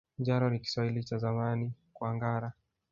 Njaro ni Kiswahili cha Zamani kwa ngara